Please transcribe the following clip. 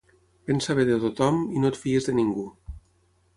Pensa bé de tothom i no et fiïs de ningú.